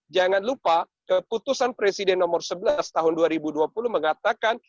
jangan lupa keputusan presiden nomor sebelas tahun dua ribu dua puluh mengatakan